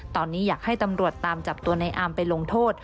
ตอนนี้อยากให้ตำรวจตามจับตัวในอามไปลงโทษ